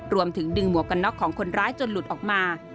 รวมถึงดึงหมวกกันน็อกของคนร้ายจนหลุดออกมา